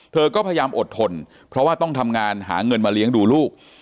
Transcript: เธอก็พยายามอดทนเพราะว่าต้องทำงานหาเงินมาเลี้ยงดูลูก